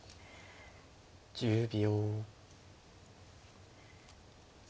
１０秒。